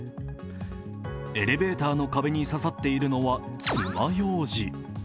エレベーターの壁に刺さっているのは、爪ようじ。